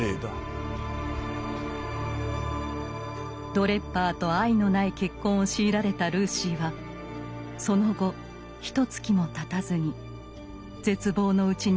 ドレッバーと愛のない結婚を強いられたルーシーはその後ひとつきもたたずに絶望のうちに息絶えました。